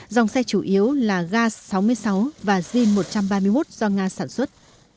dòng xe chủ yếu là gas sáu mươi sáu và jin một trăm ba mươi một do nga sản xuất